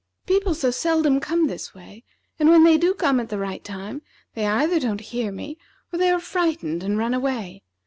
People so seldom come this way; and when they do come at the right time they either don't hear me, or they are frightened, and run away.